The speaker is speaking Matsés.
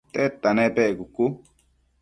tedta nepec?cucu